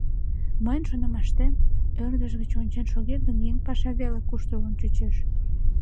Мыйын шонымаштем, ӧрдыж гыч ончен шогет гын, еҥ паша веле-куштылгын чучеш.